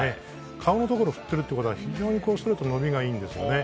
顔のところ振っているということは非常にストレートの伸びがいいんです。